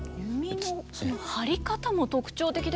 弓の張り方も特徴的ですよね。